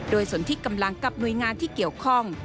โดยส่วนที่กำลังกับหน่วยงานที่เกี่ยวข้อง